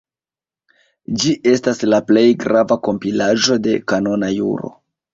Ĝi estas la plej grava kompilaĵo de kanona juro.